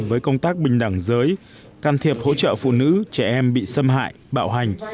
với công tác bình đẳng giới can thiệp hỗ trợ phụ nữ trẻ em bị xâm hại bạo hành